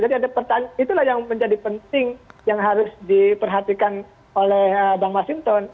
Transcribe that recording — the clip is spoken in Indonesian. jadi itulah yang menjadi penting yang harus diperhatikan oleh bang mas hinton